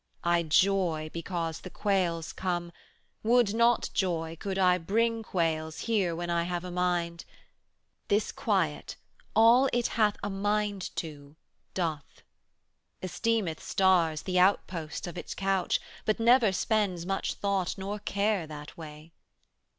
I joy because the quails come; would not joy 135 Could I bring quails here when I have a mind: This Quiet, all it hath a mind to, doth. 'Esteemeth stars the outposts of its couch, But never spends much thought nor care that way.